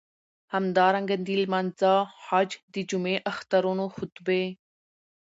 همدارنګه د لمانځه، حج، د جمعی، اخترونو خطبی.